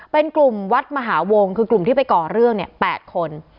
เป็นกลุ่มวัดมหาวงคือกลุ่มที่ไปก่อเรื่อง๘คน